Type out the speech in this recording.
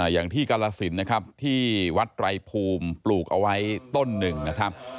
อย่างที่กาลสินที่วัดไก่ภูมิปลูกเอาไว้ต้นนึงนะครับ